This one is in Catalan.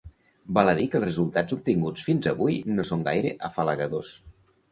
Val a dir que els resultats obtinguts fins avui no són gaire afalagadors.